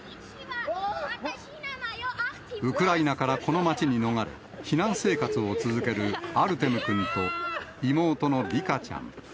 ウクライナからこの街に逃れ、避難生活を続けるアルテム君と、妹のヴィカちゃん。